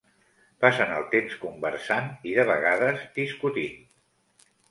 Passen el temps conversant i de vegades discutint.